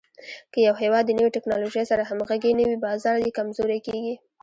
که یو هېواد د نوې ټکنالوژۍ سره همغږی نه وي، بازار یې کمزوری کېږي.